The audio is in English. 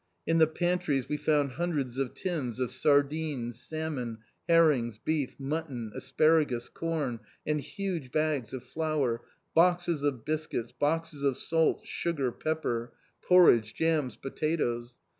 In the pantries we found hundreds of tins of sardines, salmon, herrings, beef, mutton, asparagus, corn, and huge bags of flour, boxes of biscuits, boxes of salt, sugar, pepper, porridge, jams, potatoes.